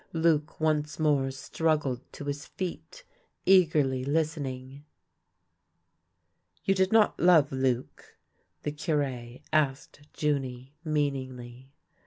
Luc once more struggled to his feet, eagerly listening. " You did not love Luc .^" the Cure asked Junie, meaningly.